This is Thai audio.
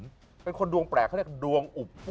ใช่เดี๋ยวคนดวงแปลกเขาเรียกดวงอุบ